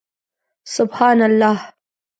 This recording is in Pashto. سبحان الله